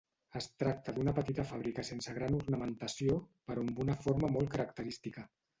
Es tracta d'una petita fàbrica sense gran ornamentació però amb una forma molt característica.